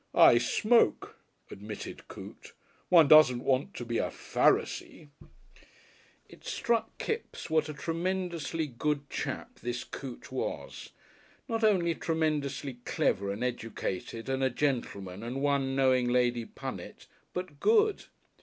"I smoke," admitted Coote. "One doesn't want to be a Pharisee." It struck Kipps what a tremendously Good chap this Coote was, not only tremendously clever and educated and a gentleman and one knowing Lady Punnet, but Good.